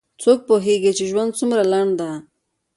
څوک پوهیږي چې ژوند څومره لنډ ده